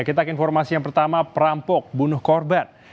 kita ke informasi yang pertama perampok bunuh korban